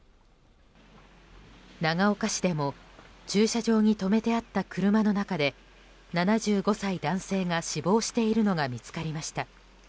長岡市でも駐車場に止めてあった車の中で７５歳男性が死亡しているのが見つかりました。